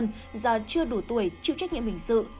nhưng chưa đủ tuổi chịu trách nhiệm hình sự